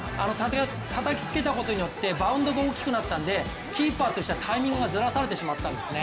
たたきつけたことによってバウンドが大きくなったんでキーパーとしてはタイミングがずらされてしまったんですね。